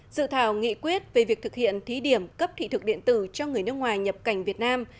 dự thảo nghị quyết về việc thực hiện thí điểm cấp thị thực điện tử cho người nước ngoài nhập cảnh việt nam